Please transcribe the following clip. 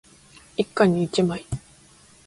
一家に一枚